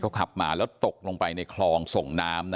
ก็ขับมากระดูกลงในคลองกระดูกส่งน้ำ